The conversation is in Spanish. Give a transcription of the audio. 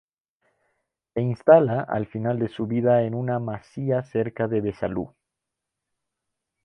Se instala, al final de su vida en una masía cerca de Besalú.